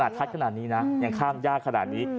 ทัดขนาดนี้นะยังข้ามยากขนาดนี้